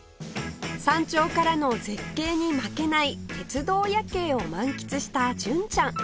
山頂からの絶景に負けない鉄道夜景を満喫した純ちゃん